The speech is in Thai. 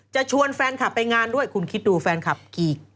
ชวนแฟนคลับไปงานด้วยคุณคิดดูแฟนคลับกี่